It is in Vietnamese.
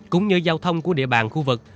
cũng như giao thông của địa bàn khu vực